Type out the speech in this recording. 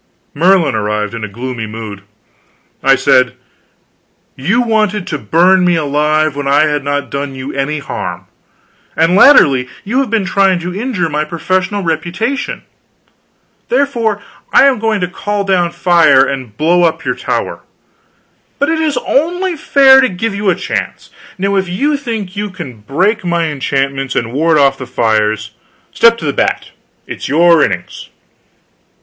Merlin arrived in a gloomy mood. I said: "You wanted to burn me alive when I had not done you any harm, and latterly you have been trying to injure my professional reputation. Therefore I am going to call down fire and blow up your tower, but it is only fair to give you a chance; now if you think you can break my enchantments and ward off the fires, step to the bat, it's your innings."